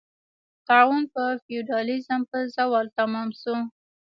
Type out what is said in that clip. طاعون د فیوډالېزم په زوال تمام شو.